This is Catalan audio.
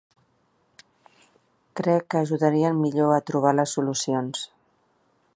Crec que ajudarien millor a trobar les solucions.